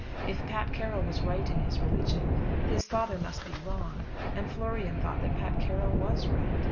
If Pat Carroll was right in his religion, his father must be wrong; and Florian thought that Pat Carroll was right.